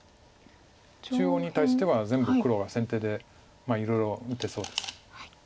中央に対しては全部黒は先手でいろいろ打てそうです。